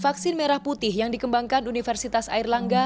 vaksin merah putih yang dikembangkan universitas air langga